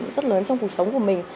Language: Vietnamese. rất lớn trong cuộc sống của mình